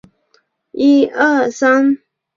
这两座塔设计成可以抵御核爆。